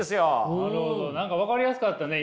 何か分かりやすかったね